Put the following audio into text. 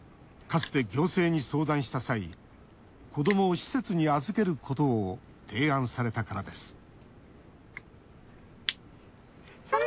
かつて、行政に相談した際子どもを施設に預けることを提案されたからです